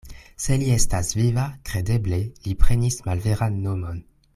Se li estas viva, kredeble li prenis malveran nomon.